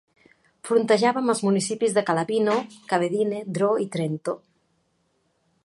Frontejava amb els municipis de Calavino, Cavedine, Dro i Trento.